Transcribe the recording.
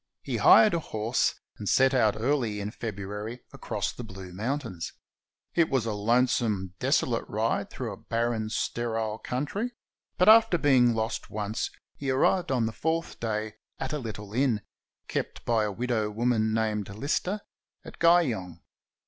He hired a horse and set out early in February across the Blue Mountains. It was a lonesome, desolate ride through a barren, sterile country; but after being lost once he arrived on the fourth day at a little inn, kept by a widow woman named Lister, at Guyong.